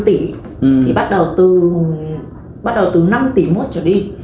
thì bắt đầu từ năm tỷ mốt cho đi